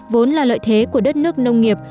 vốn là lợi thế của đất nước nông nghiệp